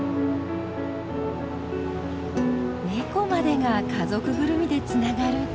猫までが家族ぐるみでつながるか。